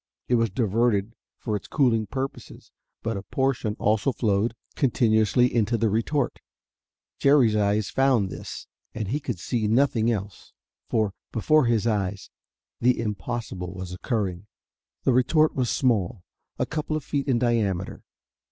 It was diverted for its cooling purposes, but a portion also flowed continuously into the retort. Jerry's eyes found this, and he could see nothing else. For, before his eyes, the impossible was occurring. The retort was small, a couple of feet in diameter.